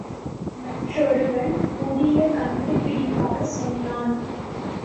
மற்றொருவன் புதிய கண்டுபிடிப்பாகச் சொன்னான்.